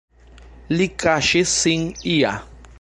Li kaŝis sin ia.